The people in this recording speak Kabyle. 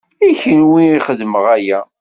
I kenwi i xedmeɣ aya.